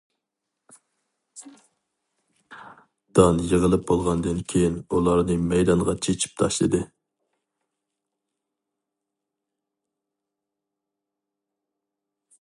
دان يىغىلىپ بولغاندىن كېيىن ئۇلارنى مەيدانغا چېچىپ تاشلىدى.